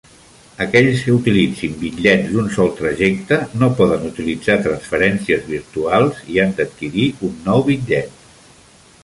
Aquells que utilitzin bitllets d'un sol trajecte no poden utilitzar transferències virtuals i han d'adquirir un nou bitllet.